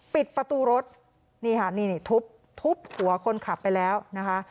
ปิดประตูรถทุบหัวคนขับไปแล้วนะคะ